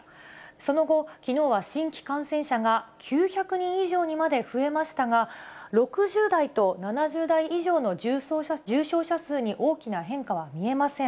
その後、きのうは新規感染者が９００人以上にまで増えましたが、６０代と７０代以上の重症者数に大きな変化は見えません。